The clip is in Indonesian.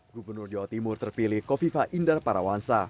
gubernur jawa timur terpilih kofifa indar parawansa